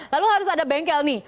lalu harus ada bengkel nih